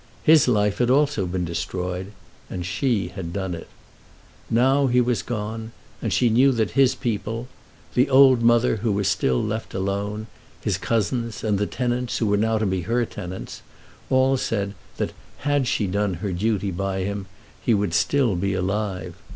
His life had also been destroyed, and she had done it. Now he was gone, and she knew that his people, the old mother who was still left alone, his cousins, and the tenants who were now to be her tenants, all said that had she done her duty by him he would still have been alive.